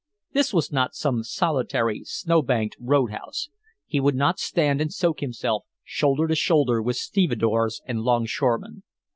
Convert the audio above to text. This was not some solitary, snow banked road house. He would not stand and soak himself, shoulder to shoulder with stevedores and longshoremen.